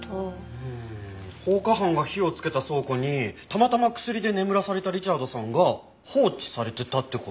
うん放火犯が火をつけた倉庫にたまたま薬で眠らされたリチャードさんが放置されてたって事？